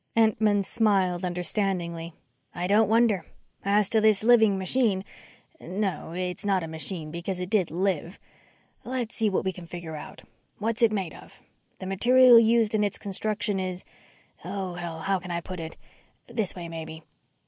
Entman smiled understandingly. "I don't wonder. As to this living machine no ... it's not a machine because it did live. Let's see what we can figure out. What's it made of? The material used in its construction is oh, hell how can I put it? This way, maybe.